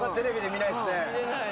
見れない。